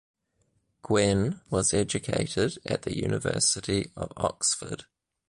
Gwynn was educated at the University of Oxford.